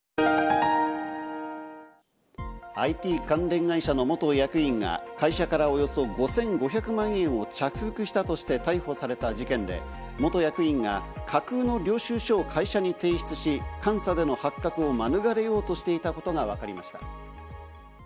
ＩＴ関連会社の元役員が、会社からおよそ５５００万円を着服したとして逮捕された事件で、元役員が架空の領収書を会社に提出し、監査での発覚を免れようとしていたことがわかりました。